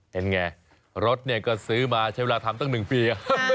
เห็นไงรถเนี่ยก็ซื้อมาใช้เวลาทำตั้ง๑ปี